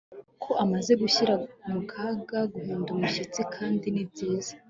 ko amaze gushyira mu kaga, guhinda umushyitsi kandi ni byiza